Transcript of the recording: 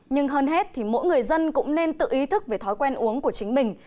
nhưng hơn hết thì mỗi người dân cũng nên tự ý thức về thói quen uống của chính mình